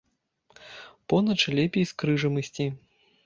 Поначы лепей з крыжам ісці.